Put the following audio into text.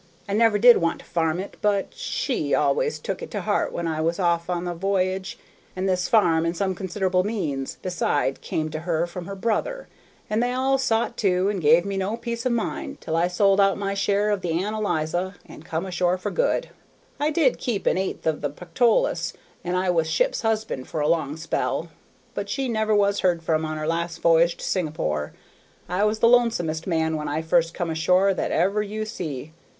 I never did want to farm it, but 'she' always took it to heart when I was off on a v'y'ge, and this farm and some consider'ble means beside come to her from her brother, and they all sot to and give me no peace of mind till I sold out my share of the Ann Eliza and come ashore for good. I did keep an eighth of the Pactolus, and I was ship's husband for a long spell, but she never was heard from on her last voyage to Singapore. I was the lonesomest man, when I first come ashore, that ever you see.